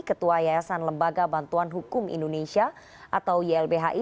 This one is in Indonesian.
ketua yayasan lembaga bantuan hukum indonesia atau ylbhi